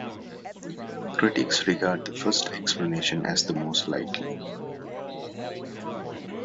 Critics regard the first explanation as the more likely.